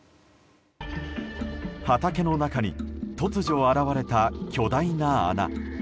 畑の中に突如、現れた巨大な穴。